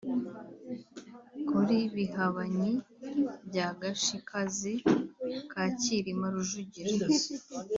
kuri Bihabanyi bya Gashikazi ka Cyilima Rujugira